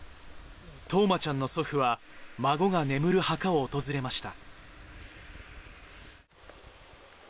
冬生ちゃんの祖父は、孫が眠る墓を訪れました。